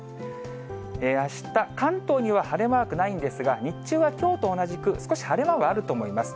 あした、関東には晴れマークないんですが、日中はきょうと同じく、少し晴れ間はあると思います。